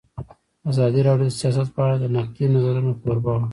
ازادي راډیو د سیاست په اړه د نقدي نظرونو کوربه وه.